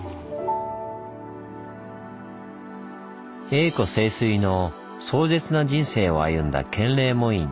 栄枯盛衰の壮絶な人生を歩んだ建礼門院。